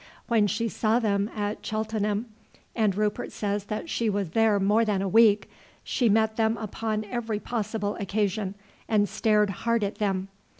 When she saw them at Cheltenham, and Rupert says that she was there more than a week, she met them upon every possible occasion and stared hard at them.